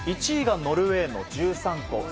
１位がノルウェーの１３個。